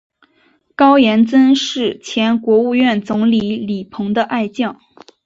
高严曾是前国务院总理李鹏的爱将。